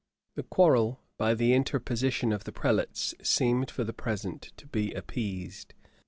The quarrel by the interposition of the prelates, seemed for the present to be appeased.